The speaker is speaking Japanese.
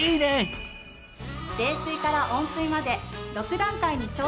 冷水から温水まで６段階に調整可能。